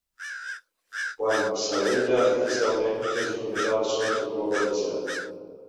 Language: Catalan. Quan se l'aïlla artificialment, és un metall sòlid de color platejat.